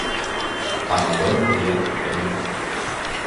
Amador Díaz Penín.